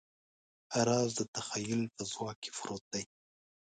راز د تخیل په ځواک کې پروت دی.